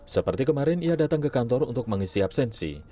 seperti kemarin ia datang ke kantor untuk mengisi absensi